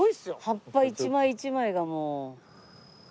葉っぱ１枚１枚がもう。